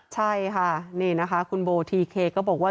ใช่ค่ะนี่นะคะคุณโบทีเคก็บอกว่า